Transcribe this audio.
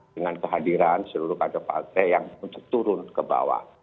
dengan kehadiran seluruh kader partai yang untuk turun ke bawah